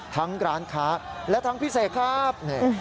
ร้านค้าและทั้งพิเศษครับ